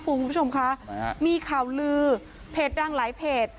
คุณผู้ชมคะมีข่าวลือเพจดังหลายเพจ